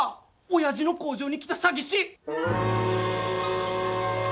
親父の工場に来た詐欺師。